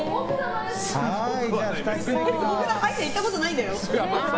歯医者行ったことないんだよ！